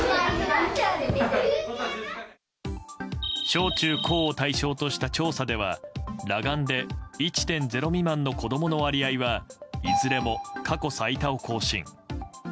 小中高を対象とした調査では裸眼で１．０未満の子供の割合はいずれも過去最多を更新。